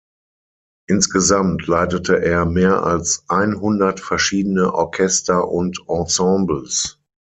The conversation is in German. Insgesamt leitete er mehr als einhundert verschiedene Orchester und Ensembles.